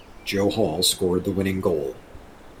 Joe Hall scored the winning goal.